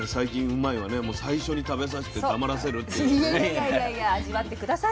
いやいやいや味わって下さい。